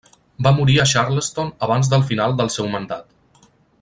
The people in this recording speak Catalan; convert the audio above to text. Va morir a Charleston abans del final del seu mandat.